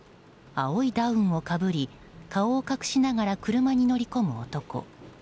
青いダウンをかぶり顔を隠しながら車に乗り込む男。